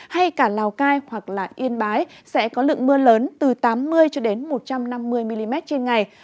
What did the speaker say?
hay cả lào cai hoặc yên bái sẽ có lượng mưa lớn từ tám mươi cho đến một trăm năm mươi mm trên ngày